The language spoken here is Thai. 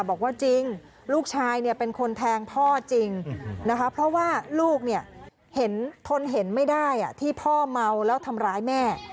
บอกว่าจริงลูกชายเนี่ยเป็นคนแทงพ่อจริงนะคะเพราะว่าลูกเนี่ยเห็นทนเห็นไม่ได้ที่พ่อเมาแล้วทำร้ายแม่